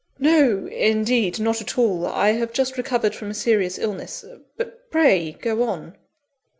"No, indeed; not at all. I have just recovered from a serious illness but pray go on."